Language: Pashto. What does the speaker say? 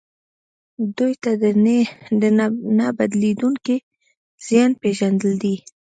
دوی ته د نه بدلیدونکي زیان پېژندل دي.